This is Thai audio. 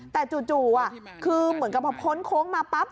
แต่จู่คือเหมือนกับพอพ้นโค้งมาปั๊บ